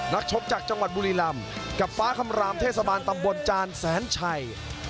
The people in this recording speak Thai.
ชกจากจังหวัดบุรีรำกับฟ้าคำรามเทศบาลตำบลจานแสนชัย